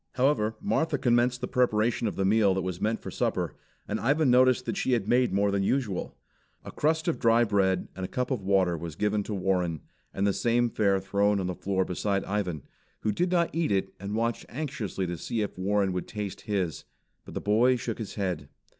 However, Martha commenced the preparation of the meal that was meant for supper, and Ivan noticed that she had made more than usual. A crust of dry bread and a cup of water was given to Warren, and the same fare thrown on the floor beside Ivan, who did not eat it and watched anxiously to see if Warren would taste his. But the boy shook his head.